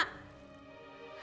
tapi setelah kamu balik